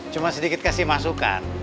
cuma sedikit kasih masukan